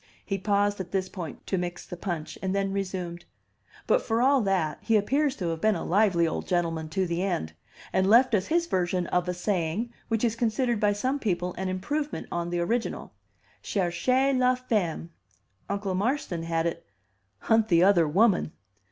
He paused at this point to mix the punch, and then resumed: "But for all that, he appears to have been a lively old gentleman to the end, and left us his version of a saying which is considered by some people an improvement on the original, 'Cherchez la femme.' Uncle Marston had it, 'Hunt the other woman.